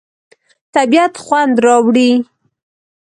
طبیعت خوند راوړي.